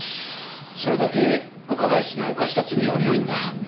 それだけ岡林の犯した罪は重いんだ